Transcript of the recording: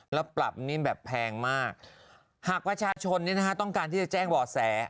แล้วปรับนี่แบบแพงมากหากประชาชนต้องการที่จะแจ้งบ่อแส